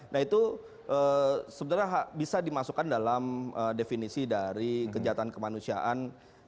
nah itu sebenarnya bisa dimasukkan dalam definisi dari kejahatan kemanusiaan